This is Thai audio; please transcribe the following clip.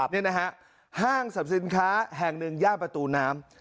นี่นะฮะห้างสรรพสินค้าแห่งหนึ่งย่านประตูน้ำ